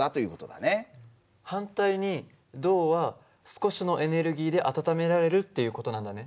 反対に銅は少しのエネルギーで温められるっていう事なんだね。